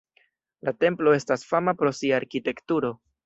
La templo estas fama pro sia arkitekturo.